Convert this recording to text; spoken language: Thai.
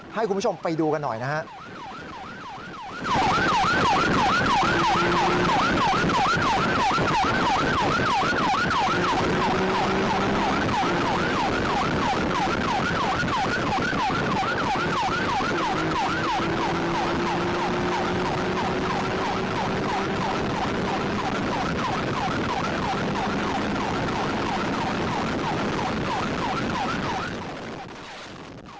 ให้คุณผู้ชมไปดูกันหน่อยนะครับ